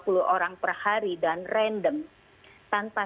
kami sudah melakukan pengumuman di rumah